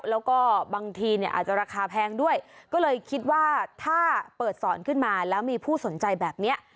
แล้วก็บางทีเนี่ยอาจจะราคาแพงด้วยก็เลยคิดว่าถ้าเปิดสอนขึ้นมาแล้วมีผู้สนใจแบบนี้